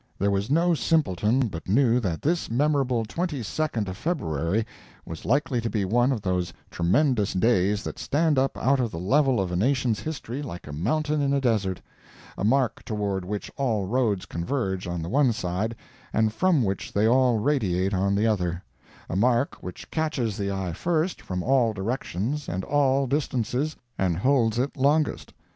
There was no simpleton but knew that this memorable twenty second of February was likely to be one of those tremendous days that stand up out of the level of a nation's history like a mountain in a desert—a mark toward which all roads converge on the one side, and from which they all radiate on the other—a mark which catches the eye first, from all directions and all distances, and holds it longest.